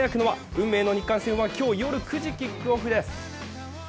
運命の日韓戦は今日夜９時、キックオフです。